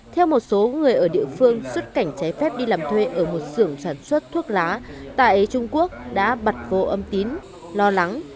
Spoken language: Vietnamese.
theo một số người ở địa phương xuất cảnh trái phép đi làm thuê ở một sưởng sản xuất thuốc lá tại trung quốc đã bật vô âm tín lo lắng